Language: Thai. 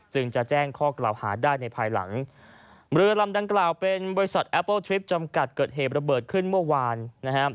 จึงจะแจ้งข้อกล่าวหาได้ในภายหลังเรือลำดังกล่าวเป็นบริษัทแอปเปิลทริปจำกัดเกิดเหตุระเบิดขึ้นเมื่อวานนะฮะ